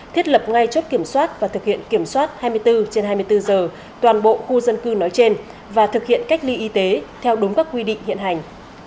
thiết lập ngay chốt kiểm soát và thực hiện kiểm soát hai mươi bốn trên hai mươi bốn giờ toàn bộ khu dân cư nói trên và thực hiện cách ly y tế theo đúng các quy định hiện hành